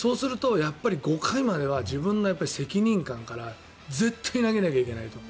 そうすると、５回までは自分の責任感から絶対に投げなきゃいけないと。